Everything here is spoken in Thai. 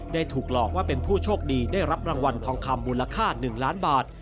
ถูกหลอกว่าเป็นผู้โชคดีได้รับรางวัลทองคำมูลค่า๑ล้านบาท